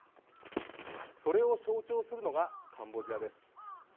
それを象徴するのがカンボジアです。